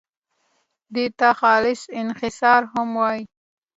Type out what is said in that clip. دې ته خالص انحصار هم وایي.